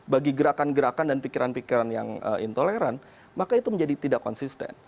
bagi gerakan gerakan dan pikiran pikiran yang intoleran maka itu menjadi tidak konsisten